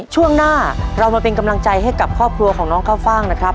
ช่วงหน้าเรามาเป็นกำลังใจให้กับครอบครัวของน้องข้าวฟ่างนะครับ